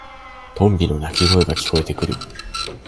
トンビの鳴き声が聞こえてくる。